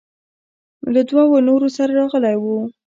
له دوو نورو سره راغلى و.